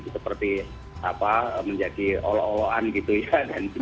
seperti menjadi olo oloan gitu ya